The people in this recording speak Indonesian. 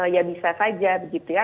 ya bisa saja begitu ya